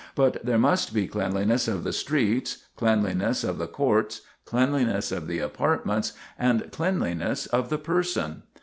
But there must be cleanliness of the streets, cleanliness of the courts, cleanliness of the apartments, and cleanliness of the person.